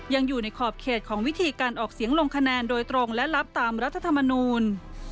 ยังอยู่ในขอบเขตของวิธีการออกเสียงลงคะแนนโดยตรงและรับตามรัฐธรรมนูล